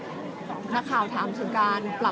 และที่อยู่ด้านหลังคุณยิ่งรักนะคะก็คือนางสาวคัตยาสวัสดีผลนะคะ